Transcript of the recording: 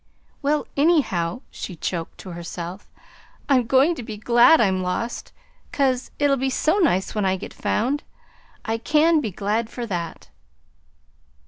"Well, anyhow," she choked to herself, "I'm going to be glad I'm lost, 'cause it'll be so nice when I get found. I CAN be glad for that!"